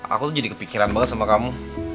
aku tuh jadi kepikiran banget sama kamu